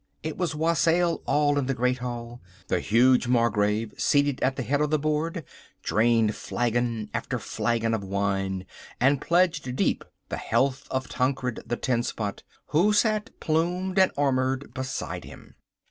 It was wassail all in the great hall. The huge Margrave, seated at the head of the board, drained flagon after flagon of wine, and pledged deep the health of Tancred the Tenspot, who sat plumed and armoured beside him.